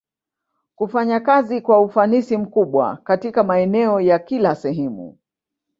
Kufanya kazi kwa ufanisi mkubwa Katika maeneo ya kila Sehemu